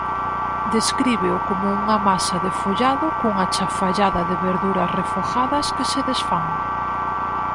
Descríbeo como unha masa de follado cunha "chafallada de verduras refogadas que se desfán".